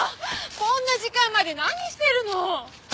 こんな時間まで何してるの！？